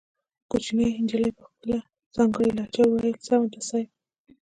کوچنۍ نجلۍ په خپله ځانګړې لهجه وويل سمه ده صيب.